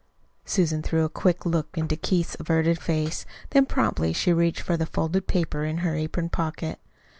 Susan threw a quick look into Keith's averted face, then promptly she reached for the folded paper in her apron pocket.